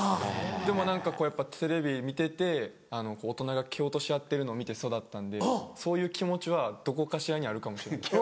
でも何かこうやっぱテレビ見てて大人が蹴落とし合ってるのを見て育ったんでそういう気持ちはどこかしらにあるかもしれない。